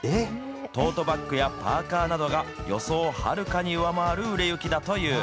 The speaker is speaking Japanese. トートバッグやパーカーなどが予想をはるかに上回る売れ行きだという。